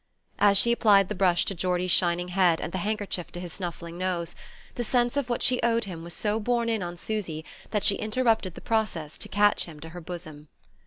As she applied the brush to Geordie's shining head and the handkerchief to his snuffling nose, the sense of what she owed him was so borne in on Susy that she interrupted the process to catch him to her bosom.